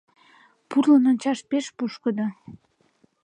Пурлын ончаш пеш пушкыдо.